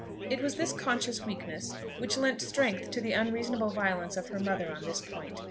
It was this conscious weakness which lent strength to the unreasonable violence of her mother on this point.